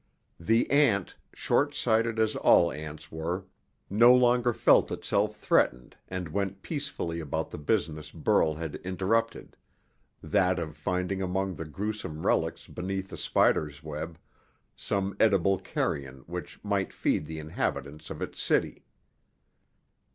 The ant, short sighted as all ants were, no longer felt itself threatened and went peacefully about the business Burl had interrupted, that of finding among the gruesome relics beneath the spider's web some edible carrion which might feed the inhabitants of its city.